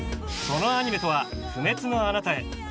そのアニメとは「不滅のあなたへ」。